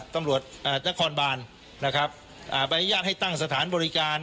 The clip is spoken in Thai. ตำรวจนครบานนะครับใบอนุญาตให้ตั้งสถานบริการ